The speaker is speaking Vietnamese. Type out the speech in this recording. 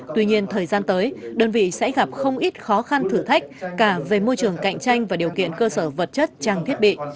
tuy nhiên thời gian tới đơn vị sẽ gặp không ít khó khăn thử thách cả về môi trường cạnh tranh và điều kiện cơ sở vật chất trang thiết bị